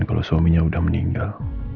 kalau suaminya sudah meninggal